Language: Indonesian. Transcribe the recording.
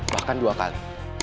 bahkan dua kali